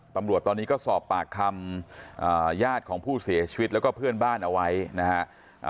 ตำรวจตอนนี้ก็สอบปากคำญาติของผู้เสียชีวิตแล้วก็เพื่อนบ้านเอาไว้นะฮะ